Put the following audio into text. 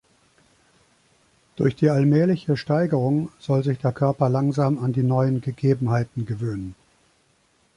Durch die allmähliche Steigerung soll sich der Körper langsam an die neuen Gegebenheiten gewöhnen.